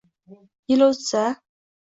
Yil o‘tsa…